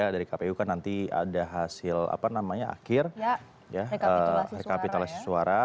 dari kpu kan nanti ada hasil akhir rekapitalisasi suara